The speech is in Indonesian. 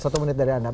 satu menit dari anda